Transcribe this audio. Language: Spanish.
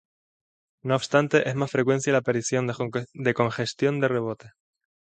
No obstante, es más frecuente la aparición de congestión de rebote.